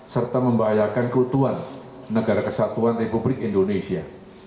serta membahayakan keutuhan negara kesatuan republik indonesia